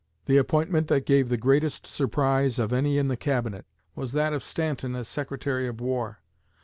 The appointment that gave the greatest surprise of any in the Cabinet was that of Stanton as Secretary of War.